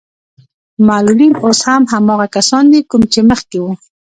معلولين اوس هم هماغه کسان دي کوم چې مخکې وو.